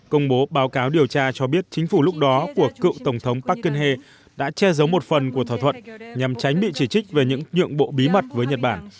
công bố báo cáo điều tra cho biết chính phủ lúc đó của cựu tổng thống parkenhe đã che giấu một phần của thỏa thuận nhằm tránh bị chỉ trích về những nhượng bộ bí mật với nhật bản